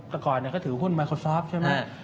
ตะกอนเนี่ยเขาถือหุ้นไมโครซอฟต์ใช่ไหม